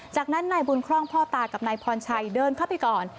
จากนั้นนายบุญคร่องพ่อตากับนายพรชัยเดินเข้าไปก่อน